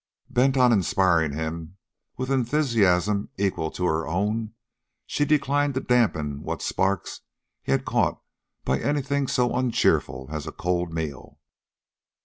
Bent on inspiring him with enthusiasm equal to her own, she declined to dampen what sparks he had caught by anything so uncheerful as a cold meal.